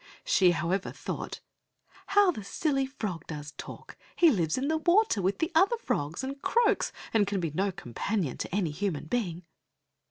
She, however, thought, "How the silly frog does talk! He lives in the water with the other frogs, and croaks, and can be no companion to any human being!"